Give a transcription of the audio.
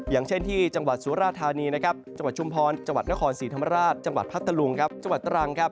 อย่างเช่นที่จังหวัดสุราธานีนะครับจังหวัดชุมพรจังหวัดนครศรีธรรมราชจังหวัดพัทธลุงครับจังหวัดตรังครับ